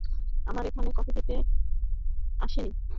আমরা এখানে কফি খেতে আসিনি।